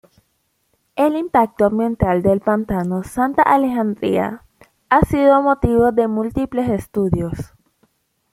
El impacto ambiental del pantano "Santa Alejandrina", ha sido motivo de múltiples estudios.